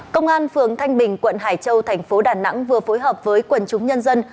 công an phường thanh bình quận hải châu thành phố đà nẵng vừa phối hợp với quần chúng nhân dân